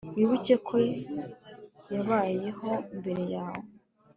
Wibuke ko yabayeho mbere yawe